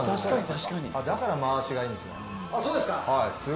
だから回しがいいんですね。